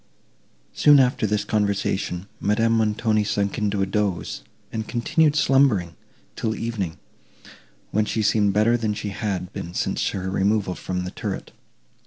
Soon after this conversation, Madame Montoni sunk into a dose, and continued slumbering, till evening, when she seemed better than she had been since her removal from the turret.